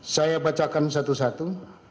saya bacakan satu satu